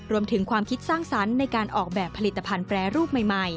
รวมถึงความคิดสร้างสรรค์ในการออกแบบผลิตภัณฑ์แปรรูปใหม่